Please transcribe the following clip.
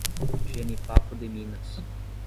Jenipapo de Minas